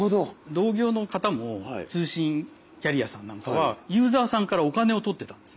同業の方も通信キャリアさんなんかはユーザーさんからお金を取ってたんですね。